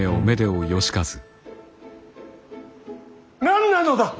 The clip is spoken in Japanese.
何なのだ！